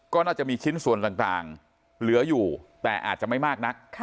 ก็น่าจะมีชิ้นส่วนต่างเหลืออยู่แต่อาจจะไม่มากนัก